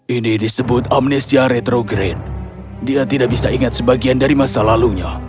ini disebut amnesia retrograin dia tidak bisa ingat sebagian dari masa lalunya